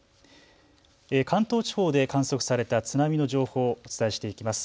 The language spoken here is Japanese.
関東地方で観測された津波の情報をお伝えしていきます。